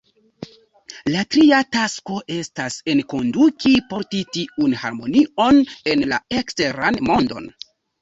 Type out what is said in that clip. La tria tasko estas enkonduki, porti tiun harmonion en la eksteran mondon.